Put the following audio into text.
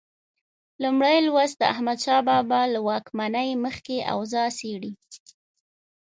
لومړی لوست د احمدشاه بابا له واکمنۍ مخکې اوضاع څېړي.